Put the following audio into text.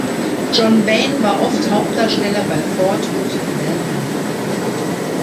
John Wayne war oft Hauptdarsteller bei Ford und Wellman.